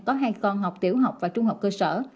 có hai con học tiểu học và trung học cơ sở